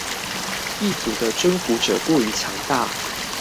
異族的征服者過於強大